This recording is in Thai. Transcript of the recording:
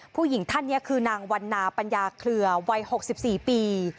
ผู้หญิงท่านนี้คือนางวันนาปัญญาเคลือวัย๖๔ปี